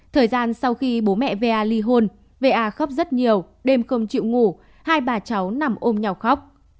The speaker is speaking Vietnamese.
thời gian sau khi bố mẹ va ly hôn va khóc rất nhiều đêm không chịu ngủ hai bà cháu nằm ôm nhau khóc